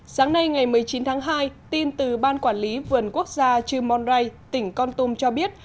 sáng nay ngày một mươi chín tháng hai tin từ ban quản lý vườn quốc gia trư mon rai tỉnh con tum cho biết